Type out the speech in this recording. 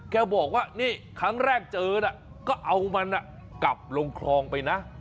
บอกว่านี่ครั้งแรกเจอน่ะก็เอามันกลับลงคลองไปนะ